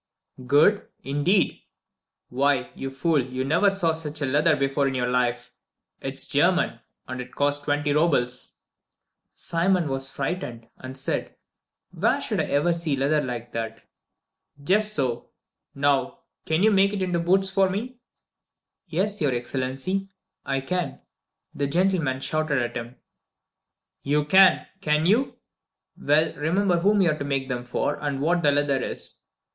"Good, indeed! Why, you fool, you never saw such leather before in your life. It's German, and cost twenty roubles." Simon was frightened, and said, "Where should I ever see leather like that?" "Just so! Now, can you make it into boots for me?" "Yes, your Excellency, I can." Then the gentleman shouted at him: "You can, can you? Well, remember whom you are to make them for, and what the leather is.